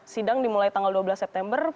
sidang dimulai tanggal dua belas september